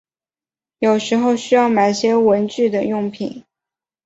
有时候需要买些文具等用品